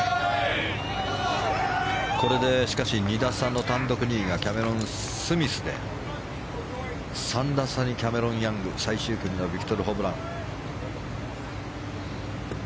これでしかし２打差の単独２位がキャメロン・スミスで３打差にキャメロン・ヤング最終組のビクトル・ホブラン。